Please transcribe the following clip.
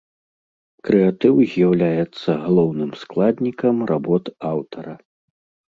Крэатыў з'яўляецца галоўным складнікам работ аўтара.